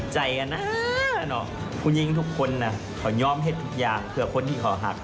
ใจอ่ะนะคุณยิ่งทุกคนนะเค้ายอมเห็นทุกอย่างเผื่อคนที่เค้าหัก